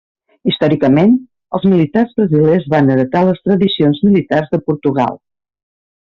Històricament, els militars brasilers van heretar les tradicions militars de Portugal.